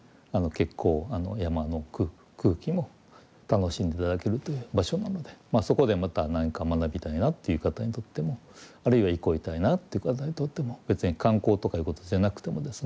結構山の空気も楽しんで頂けるという場所なのでそこでまた何か学びたいなっていう方にとってもあるいは憩いたいなっていう方にとっても別に観光とかいうことじゃなくてもですね